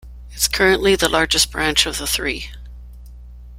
It is currently the largest branch of the three.